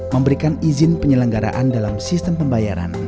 memberikan izin penyelenggaraan dalam sistem pembayaran